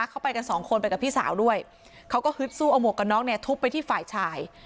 เขาไปกันสองคนไปกับพี่สาวด้วยเขาก็ฮึดสู้เอาหมวกกันน็อกเนี่ยทุบไปที่ฝ่ายชาย